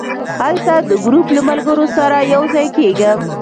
هلته د ګروپ له ملګرو سره یو ځای کېږم.